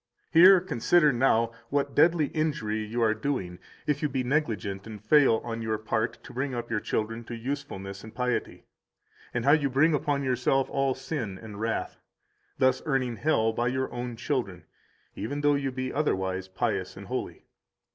176 Here consider now what deadly injury you are doing if you be negligent and fail on your part to bring up your child to usefulness and piety, and how you bring upon yourself all sin and wrath, thus earning hell by your own children, even though you be otherwise pious and holy.